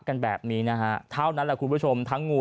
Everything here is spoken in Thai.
กันแบบนี้นะฮะเท่านั้นแหละคุณผู้ชมทั้งงู